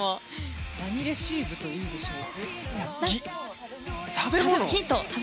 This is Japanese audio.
何レシーブというでしょう。